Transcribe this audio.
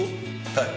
はい。